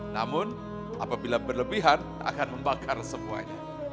namun apabila berlebihan akan membakar semuanya